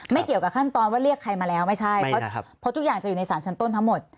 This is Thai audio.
เกี่ยวกับขั้นตอนว่าเรียกใครมาแล้วไม่ใช่เพราะทุกอย่างจะอยู่ในสารชั้นต้นทั้งหมด